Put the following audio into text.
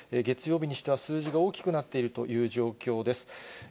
月曜日にしては数字が大きくなっているという状況です。